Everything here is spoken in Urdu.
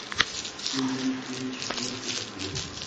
پن ین کی چھٹنی کی ترتیب